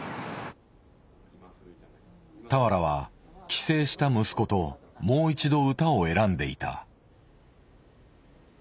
俵は帰省した息子ともう一度歌を選んでいた。